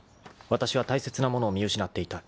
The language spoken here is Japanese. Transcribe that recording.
［わたしは大切なものを見失っていた］